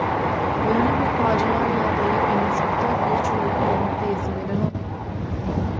Ýöne bu pajygaly ýagdaýa gynansakda güýc ugrukdurmak diýesim gelenok.